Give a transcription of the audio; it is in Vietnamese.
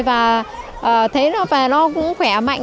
và thấy nó cũng khỏe mạnh